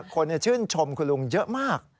คนชื่นชมคุณลุงเยอะมาก